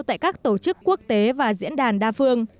tại các tổ chức quốc tế và diễn đàn đa phương